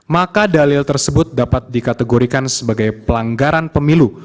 maka dalil tersebut dapat dikategorikan sebagai pelanggaran pemilu